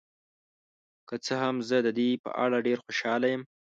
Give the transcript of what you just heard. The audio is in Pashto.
که څه هم، زه د دې په اړه ډیر خوشحاله یم.